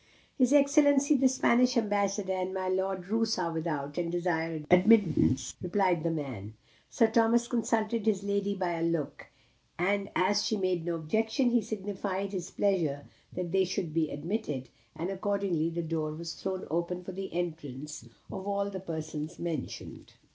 "His Excellency the Spanish Ambassador and my Lord Roos are without, and desire admittance," replied the man. Sir Thomas consulted his lady by a look; and as she made no objection, he signified his pleasure that they should be admitted, and accordingly the door was thrown open for the entrance of all the persons mentioned.